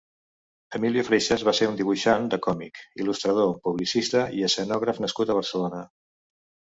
Emilio Freixas va ser un dibuixant de còmic, il·lustrador, publicista i escenògraf nascut a Barcelona.